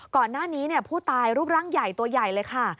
ก่อนหน้านี้ผู้ตายรูปร่างใหญ่ตัวใหญ่เลยค่ะ